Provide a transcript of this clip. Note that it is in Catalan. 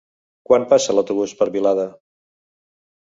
Quan passa l'autobús per Vilada?